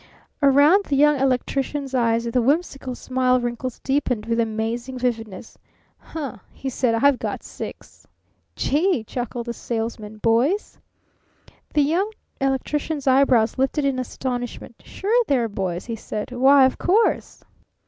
Around the Young Electrician's eyes the whimsical smile wrinkles deepened with amazing vividness. "Huh!" he said. "I've got six." "Gee!" chuckled the Salesman. "Boys?" The Young Electrician's eyebrows lifted in astonishment. "Sure they're boys!" he said. "Why, of course!"